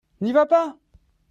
N'y vas pas !